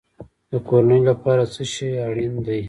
د کورنۍ لپاره څه شی اړین دی؟